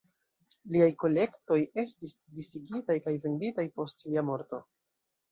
Liaj kolektoj estis disigitaj kaj venditaj post lia morto.